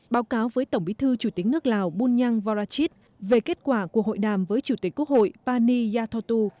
báo cáo với tổng bí thư chủ tịch nước lào bunyang vorachit về kết quả của hội đàm với chủ tịch quốc hội pani yathotu